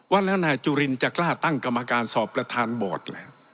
ว่าแล้วนายจุลินจะกล้าตั้งกรรมการสอบประธานบอร์ดล่ะ